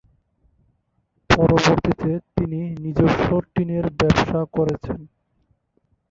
পরবর্তীতে তিনি নিজস্ব টিনের ব্যবসা করেছেন।